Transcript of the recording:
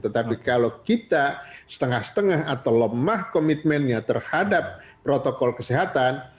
tetapi kalau kita setengah setengah atau lemah komitmennya terhadap protokol kesehatan